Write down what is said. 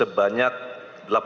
terhadap alam alam terhadap alam alam